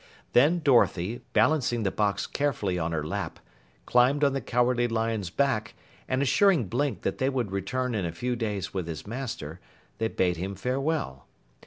Then Dorothy, balancing the box carefully on her lap, climbed on the Cowardly Lion's back, and assuring Blink that they would return in a few days with his master, they bade him farewell.